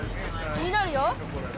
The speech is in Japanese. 気になるよ